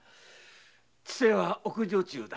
千勢は奥女中だ。